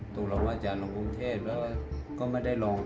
ตรงเราว่าจะลงกรุงเทศก็ไม่ได้ลอง